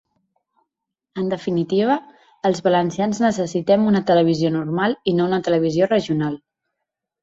En definitiva, els valencians necessitem una televisió normal i no una televisió regional.